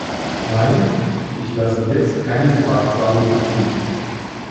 Nein, ich lasse jetzt keine Debatte darüber zu.